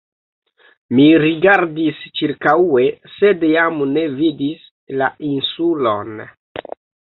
Mi rigardis ĉirkaŭe, sed jam ne vidis la Insulon.